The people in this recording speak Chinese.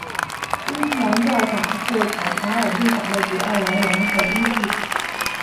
伊斯兰教法是卡塔尔立法的主要来源和依据。